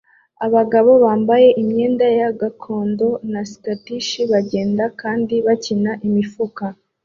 Abagabo bambaye imyenda gakondo ya Scottish bagenda kandi bakina imifuka